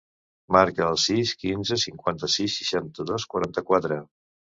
Marca el sis, quinze, cinquanta-sis, seixanta-dos, quaranta-quatre.